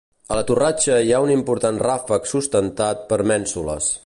A la torratxa hi ha un important ràfec sustentat per mènsules.